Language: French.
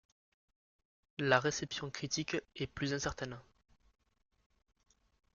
La réception critique est plus incertaine.